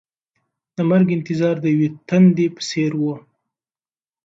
د مرګ انتظار د یوې تندې په څېر و.